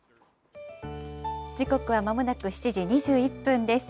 時刻はまもなく７時２１分です。